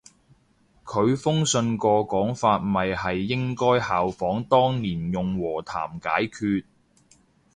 佢封信個講法咪係應該效法當年用和談解決